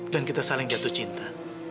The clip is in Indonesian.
dan kita saling jatuh cinta